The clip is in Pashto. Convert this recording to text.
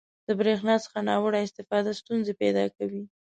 • د برېښنا څخه ناوړه استفاده ستونزې پیدا کوي.